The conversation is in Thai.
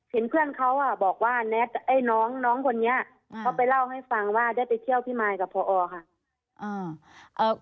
เห็นเพื่อนเขาบอกว่าแท็ตไอ้น้องคนนี้เขาไปเล่าให้ฟังว่าได้ไปเที่ยวพี่มายกับพอค่ะ